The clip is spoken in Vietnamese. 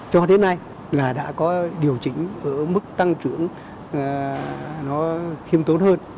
cho đến nay là đã có điều chỉnh ở mức tăng trưởng nó khiêm tốn hơn